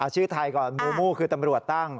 ชื่อไทยก่อนหมู่มูคือตำรวจตั้ง